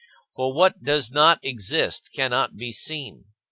For what does not exist cannot be seen.